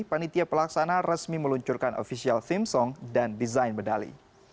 panitia pelaksana resmi meluncurkan ofisial theme song dan desain medali